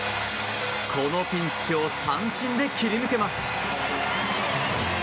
このピンチを三振で切り抜けます。